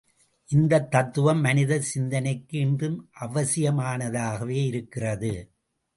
இந்தத் தத்துவம் மனித சிந்தனைக்கு இன்றும் அவசியமானதாகவே இருக்கிறது.